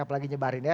apalagi nyebarin ya